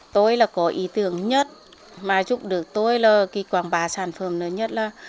tôi là có ý tưởng nhất mà giúp được tôi là quảng bá sản phẩm lớn nhất là